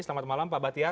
selamat malam pak bahtiar